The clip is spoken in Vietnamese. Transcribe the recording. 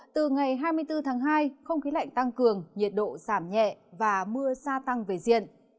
từ ngày hai mươi bốn tháng hai không khí lạnh tăng cường nhiệt độ giảm nhẹ và mưa gia tăng về diện